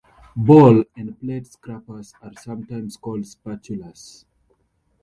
Bowl and plate scrapers are sometimes called spatulas.